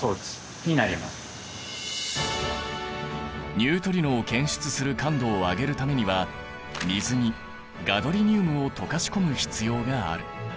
ニュートリノを検出する感度を上げるためには水にガドリニウムを溶かし込む必要がある。